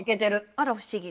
あら不思議